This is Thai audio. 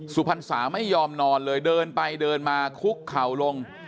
สุพรรษาไม่ยอมนอนเลยเดินไปเดินมาคุกเข่าลง